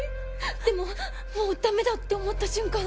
でももうダメだって思った瞬間。